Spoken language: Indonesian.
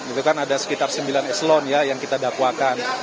itu kan ada sekitar sembilan eselon ya yang kita dakwakan